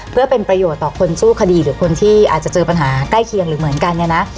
เพื่อเป็นประโยชน์ต่อคนสู้คดีหรือคนที่อาจจะเจอปัญหาใกล้เคียงหรือเหมือนกันเนี่ยนะ